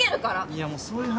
いやもうそういう話。